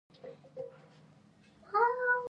ابوجهل سر سخت مخالف و.